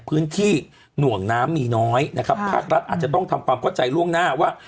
พื้นที่หน่วงน้ำมีน้อยนะครับภาครัฐอาจจะต้องทำความเข้าใจล่วงหน้าว่า